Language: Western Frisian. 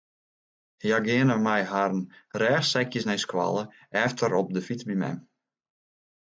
Hja geane mei harren rêchsekjes nei skoalle, efter op de fyts by mem.